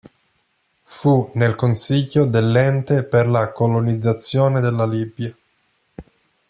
Fu nel Consiglio dell’Ente per la colonizzazione della Libia.